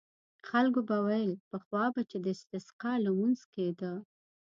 خلکو به ویل پخوا به چې د استسقا لمونځ کېده.